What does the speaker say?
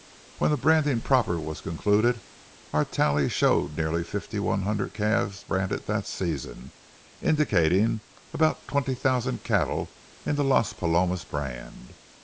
When the branding proper was concluded, our tally showed nearly fifty one hundred calves branded that season, indicating about twenty thousand cattle in the Las Palomas brand.